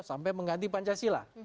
sampai mengganti pancasila